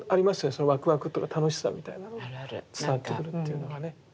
そのわくわくとか楽しさみたいなのが伝わってくるっていうのがね。